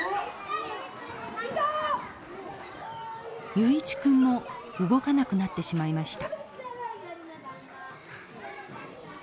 雄一君も動かなくなってしまいました。